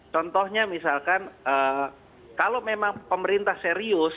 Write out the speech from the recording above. contohnya misalkan kalau memang pemerintah serius